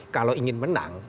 kalau ingin menang